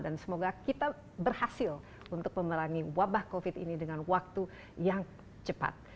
semoga kita berhasil untuk memerangi wabah covid ini dengan waktu yang cepat